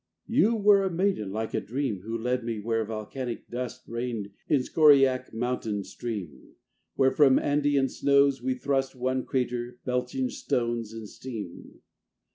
V You were a maiden like a dream Who led me where volcanic dust Rained in a scoriac mountain stream, Where, from Andean snows, was thrust One crater belching stones and steam.